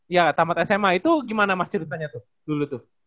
ya tamat sma itu gimana mas ceritanya tuh dulu tuh